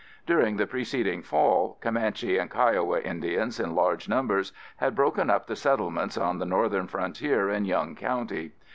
During the preceding fall, Comanche and Kiowa Indians in large numbers had broken up the settlements on the northern frontier in Young County.